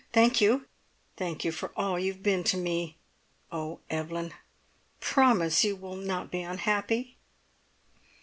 Thank you thank you for all you have been to me! Oh, Evelyn, promise you will not be unhappy!"